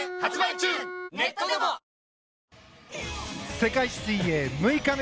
世界水泳６日目